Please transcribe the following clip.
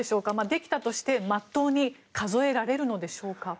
できたとして、まっとうに数えられるのでしょうか。